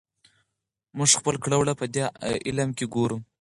موږ خپل کړه وړه پدې علم کې ګورو.